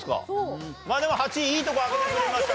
まあでも８位いいとこ開けてくれました。